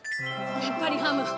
やっぱりハム。